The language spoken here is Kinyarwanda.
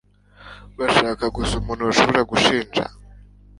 bashaka gusa umuntu bashobora gushinja